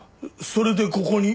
それでここに？